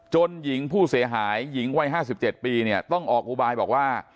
หญิงผู้เสียหายหญิงวัย๕๗ปีเนี่ยต้องออกอุบายบอกว่า